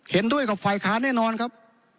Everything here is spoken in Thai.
เห็นด้วยกับฝ่ายค้านแน่นอนครับ